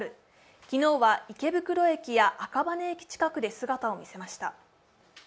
昨日は池袋駅や赤羽駅近くで姿を見せました。